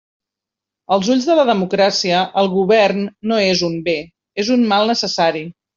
Als ulls de la democràcia, el govern no és un bé, és un mal necessari.